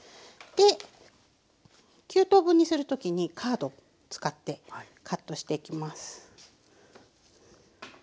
で９等分にする時にカード使ってカットしていきます。